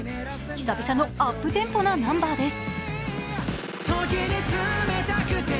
久々のアップテンポなナンバーです。